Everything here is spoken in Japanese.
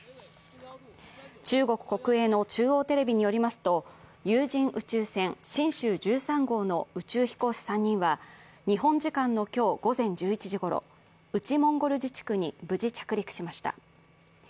中国国営の中央テレビによりますと有人宇宙船「神舟１３号」の宇宙飛行士３人は、日本時間の今日午前１１時ごろ、内モンゴル自治区に無事着陸しました。